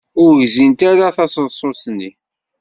Ur gzint ara taseḍsut-nni.